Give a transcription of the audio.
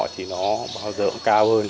thì nó bao giờ cũng cao hơn